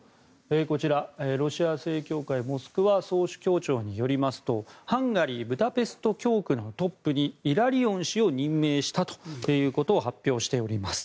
こちら、ロシア正教会モスクワ総主教庁によりますとハンガリー・ブダペスト教区のトップにイラリオン氏を任命したということを発表しております。